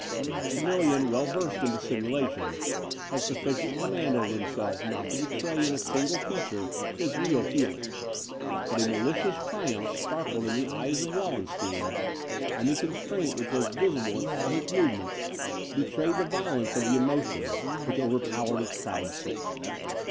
Maximilian, well versed in dissimulation, had sufficient command over himself, not to betray in a single feature his real feelings; but a malicious triumph sparkled in the eyes of Wallenstein, and the constraint which was visible in all his movements, betrayed the violence of the emotion which overpowered his proud soul.